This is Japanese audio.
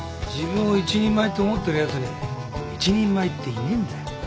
自分を一人前って思ってるやつに一人前っていねえんだよ。